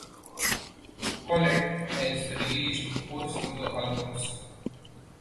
Collett has released four solo albums.